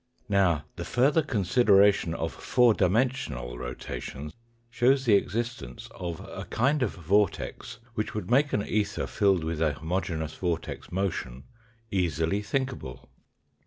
Now, the further consideration of four dimensional rotations shows the existence of a kind of vortex which would make an ether filled with a homogeneous vortex motion easily thinkable.